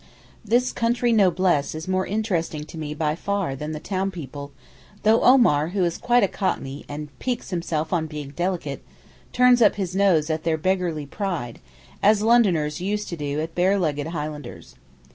This country noblesse is more interesting to me by far than the town people, though Omar, who is quite a Cockney, and piques himself on being 'delicate,' turns up his nose at their beggarly pride, as Londoners used to do at bare legged Highlanders.